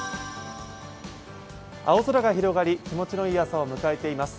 青空が広がり気持ちのいい朝を迎えています。